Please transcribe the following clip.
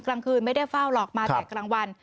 กลางคืนไม่ได้เฝ้าหรอกมาแต่กลางวัน